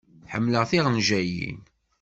Ḥemmleɣ tiɣenjayin.